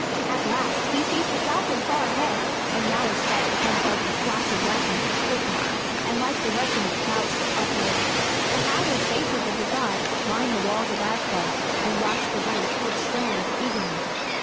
At last he sees the falcon far ahead, and now his flight becomes like the flash of the lightning for swiftness, and like the rushing of clouds for uproar. The haggard faces of the gods line the walls of Asgard and watch the race with tremulous eagerness.